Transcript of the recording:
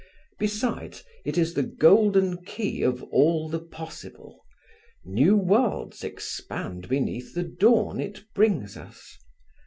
Besides, it is the golden key of all the possible; new worlds expand beneath the dawn it brings us.